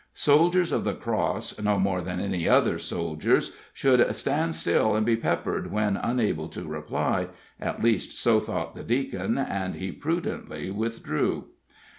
Soldiers of the Cross, no more than any other soldiers, should stand still and be peppered when unable to reply; at least so thought the Deacon, and he prudently withdrew.